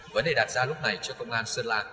vấn đề đặt ra lúc này cho công an sơn la